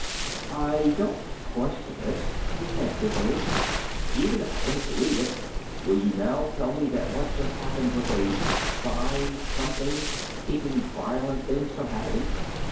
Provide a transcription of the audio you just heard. "I don't question it," he said dizzily, "even if I don't believe it. Will you now tell me that what just happened was a psi something keepin' violent things from happening?"